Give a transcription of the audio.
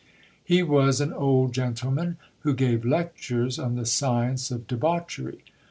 He .was an old gentleman, who gave lectures on the science of debauchery.